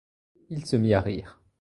Et il se mit à rire.